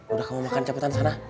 udah kamu makan capitan sana